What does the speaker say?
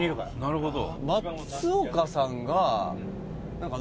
なるほど。